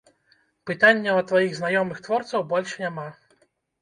Пытанняў ад тваіх знаёмых-творцаў больш няма.